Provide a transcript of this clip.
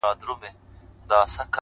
غواړمه چي دواړي سترگي ورکړمه!!